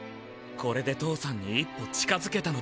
これで父さんに一歩近づけたのでしょうか？